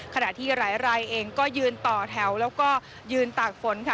ขณะที่หลายรายเองก็ยืนต่อแถวแล้วก็ยืนตากฝนค่ะ